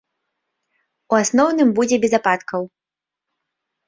У асноўным, будзе без ападкаў.